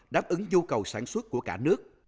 đáp ứng nhu cầu sản xuất của cả nước